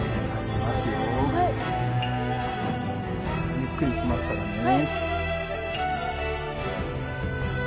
ゆっくりいきますからね。